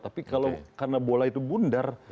tapi kalau karena bola itu bundar